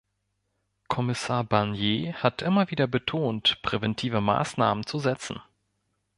Kommissar Barnier hat immer wieder betont, präventive Maßnahmen zu setzen.